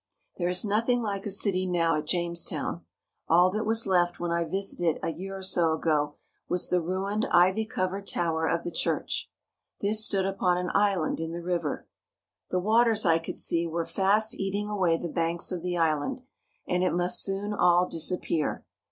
There is nothing like a city now at Jamestown. All that was left when I visited it a year or so ago was the ruined ivy covered tower of the church. This stood upon an island in the river. The waters, I could see, were fast eating away the banks of the island, and it must soon all disappear.